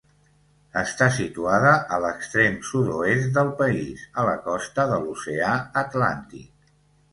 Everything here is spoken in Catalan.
Està situada a l'extrem sud-oest del país, a la costa de l'Oceà Atlàntic.